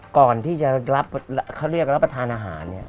ก่อนที่จะรับเขาเรียกรับประทานอาหารเนี่ย